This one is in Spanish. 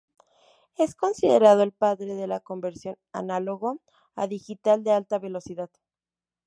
Es considerado "el padre de la conversión análogo a digital de alta velocidad.